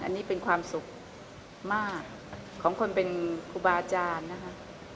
อันนี้เป็นความสุขมากของคนเป็นครูบาอาจารย์นะคะ